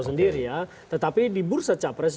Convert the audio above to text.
sendiri ya tetapi di bursa capres